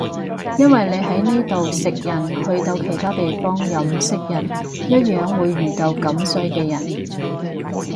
因為你喺呢度食人去到其他地方又唔識人一樣會遇到咁衰嘅人